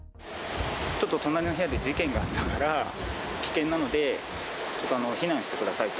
ちょっと隣の部屋で事件があったから、危険なので避難してくださいと。